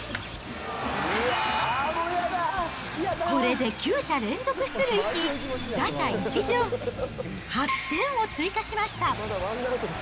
これで９者連続出塁し、打者一巡、８点を追加しました。